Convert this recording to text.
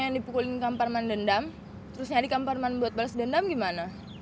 terus dipukulin kang parman dendam terus nyari kang parman buat balas dendam gimana